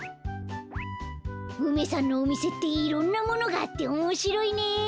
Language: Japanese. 梅さんのおみせっていろんなものがあっておもしろいね。